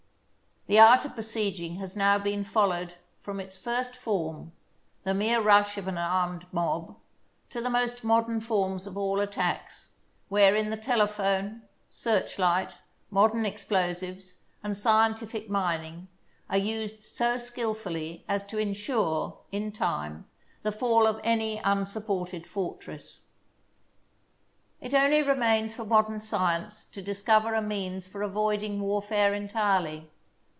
The art of besieging has now been followed from its first form, the mere rush of an armed mob, to the most modern forms of all attacks, wherein the telephone, searchlight, modern explosives, and sci entific mining are used so skilfully as to insure, in time, the fall of any unsupported fortress. It only remains for modern science to discover a means for avoiding warfare entirely.